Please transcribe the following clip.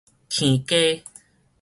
拑家